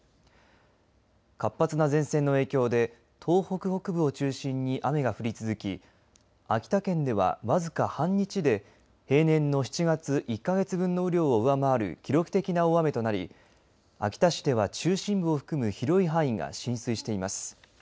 活発な前線の影響で東北北部を中心に雨が降り続き秋田県では僅か半日で平年の７月１か月分の雨量を上回る記録的な大雨となり秋田市では中心部を含む広い範囲が浸水しています。